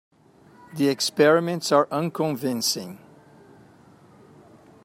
The experiments are unconvincing.